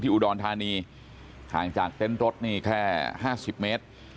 ที่อุดรธานีห่างจากเต้นรถแค่๕๐เมตร